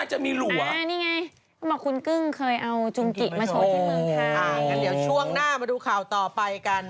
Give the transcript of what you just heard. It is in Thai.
อ่าก็เหลือช่วงหน้ามาดูข่าวต่อไปกัน